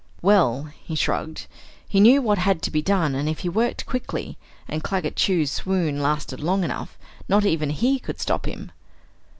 Well, he shrugged, he knew what had to be done and if he worked quickly, and Claggett Chew's swoon lasted long enough, not even he could stop him.